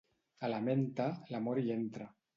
A la menta, l'amor hi entra.